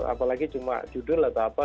apalagi cuma judul atau apa